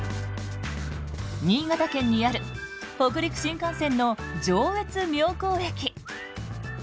新潟県にある北陸新幹線の上越妙高駅。